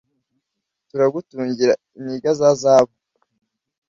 Turagutungira inigi za zahabu,